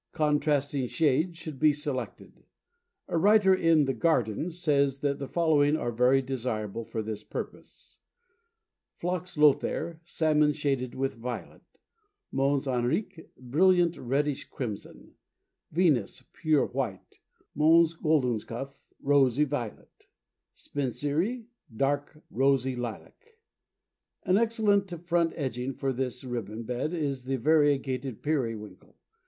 Contrasting shades should be selected. A writer in the Garden says that the following are very desirable for this purpose: "Phlox Lothair, salmon shaded with violet; Mons Henrique, brilliant reddish crimson; Venus, pure white; Mons Goldenschugh, rosy violet; Spenceri, dark rosy lilac. An excellent front edging for this ribbon bed is the variegated Periwinkle.